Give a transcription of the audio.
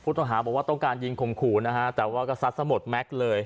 ต้องหาบอกว่าต้องการยิงข่มขู่นะฮะแต่ว่าก็ซัดสะหมดแม็กซ์เลย